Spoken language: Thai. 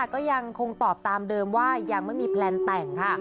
ก็ยังคงตอบตามเดิมว่ายังไม่มีแพลนแต่งค่ะ